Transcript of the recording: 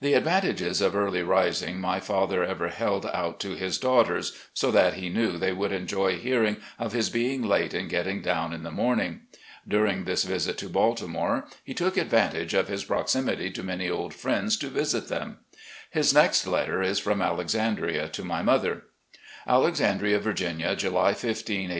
The advantages of early rising my father ever held out to his daughters, so that he knew they would enjoy hearing of his being late in getting down in the morning. During 414 RECOLLECTIONS OF GENERAL LEE this visit to Baltimore he took advajitage of his prox imity to many old friends to visit them. His next letter is from Alexandria to my mother: "Alexandria, Virginia, July 15, 1870.